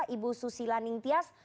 ibu susila ningti